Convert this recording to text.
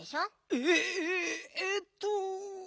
えっ？えっと。